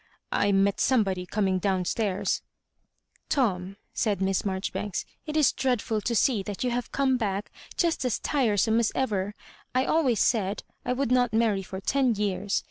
I met somebody coming down stairs —^", "Tom," said Miss Maijoribanks, "it is dread ful to seeiJial; you have come back just as tire some as ever. I always said, I would not mar ry for ten years.